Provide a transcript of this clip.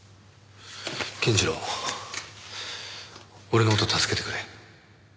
健次郎俺の事を助けてくれ。